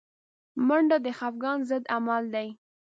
منډه د خفګان ضد عمل دی